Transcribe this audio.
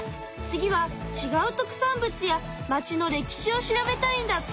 次はちがう特産物や町の歴史を調べたいんだって！